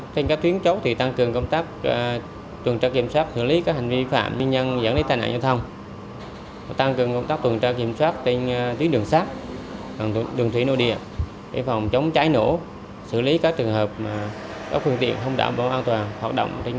trên các tuyến chốt thì tăng cường công tác